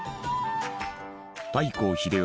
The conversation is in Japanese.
太閤秀吉